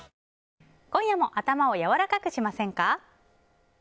今夜も頭をやわらかくしませんか？